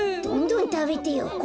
どんどんたべてよ。